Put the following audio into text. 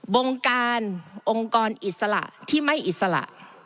วงการองค์กรอิสระที่ไม่อิสระ